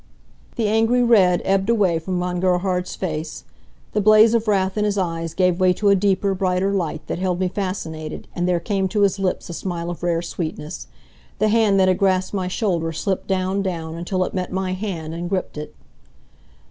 The angry red ebbed away from Von Gerhard's face. The blaze of wrath in his eyes gave way to a deeper, brighter light that held me fascinated, and there came to his lips a smile of rare sweetness. The hand that had grasped my shoulder slipped down, down, until it met my hand and gripped it.